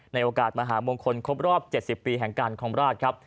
ในโอกาสมหามงคลครบรอบ๗๐ปีแห่งการครองราชครับ